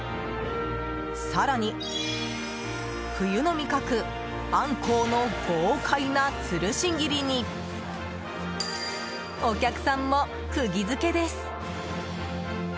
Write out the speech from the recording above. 更に、冬の味覚アンコウの豪快なつるし切りにお客さんも、釘付けです。